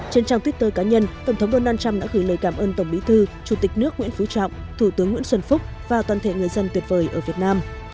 trên trang twitter cá nhân tổng thống donald trump đã gửi lời cảm ơn tổng bí thư chủ tịch nước nguyễn phú trọng thủ tướng nguyễn xuân phúc và toàn thể người dân tuyệt vời ở việt nam